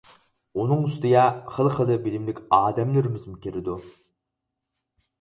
ئۇنىڭ ئۈستىگە خېلى-خېلى بىلىملىك ئادەملىرىمىزمۇ كىرىدۇ.